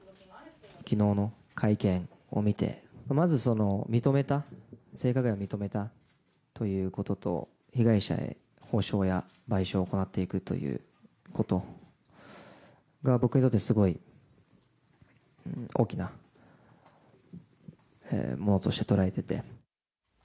きのうの会見を見て、まず認めた、性加害を認めたということと、被害者へ補償や賠償を行っていくということが、僕にとってすごい大きなものとして捉えてて。